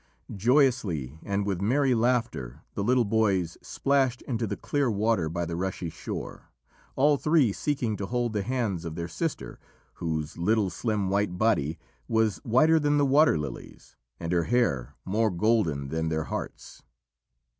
Joyously and with merry laughter the little boys splashed into the clear water by the rushy shore, all three seeking to hold the hands of their sister, whose little slim white body was whiter than the water lilies and her hair more golden than their hearts.